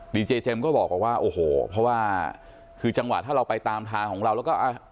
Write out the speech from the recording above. ดีเจเจมส์ก็บอกว่าโอ้โหเพราะว่าคือจังหวะถ้าเราไปตามทางของเราแล้วก็อ่ะ